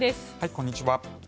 こんにちは。